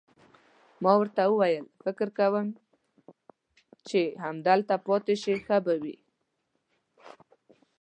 ما ورته وویل: فکر کوم چې که همدلته پاتې شئ، ښه به وي.